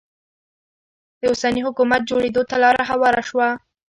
د اوسني حکومت جوړېدو ته لاره هواره شوه.